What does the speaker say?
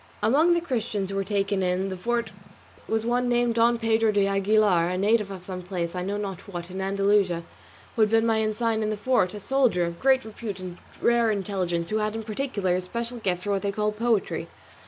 Among the Christians who were taken in the fort was one named Don Pedro de Aguilar, a native of some place, I know not what, in Andalusia, who had been ensign in the fort, a soldier of great repute and rare intelligence, who had in particular a special gift for what they call poetry.